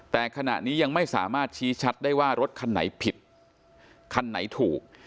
แต่ขณะนี้ยังไม่สามารถชี้ชัดได้ว่ารถคันไหนผิดคันไหนถูก